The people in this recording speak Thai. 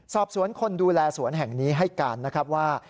สอบสวนคนดูแลสวนแห่งนี้ให้การนะครับว่า